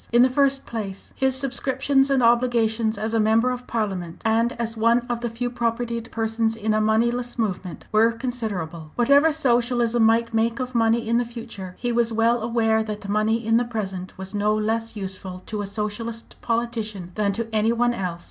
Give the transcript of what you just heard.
In the first place, his subscriptions and obligations as a member of Parliament, and as one of the few propertied persons in a moneyless movement, were considerable. Whatever Socialism might make of money in the future, he was well aware that money in the present was no less useful to a Socialist politician than to any one else.